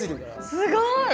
すごい！